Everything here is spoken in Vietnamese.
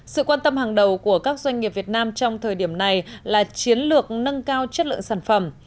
sự quan tâm hàng đầu của các doanh nghiệp việt nam trong thời điểm này là chiến lược nâng cao chất lượng sản phẩm